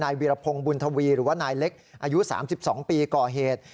วีรพงศ์บุญทวีหรือว่านายเล็กอายุ๓๒ปีก่อเหตุ